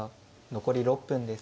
残り６分です。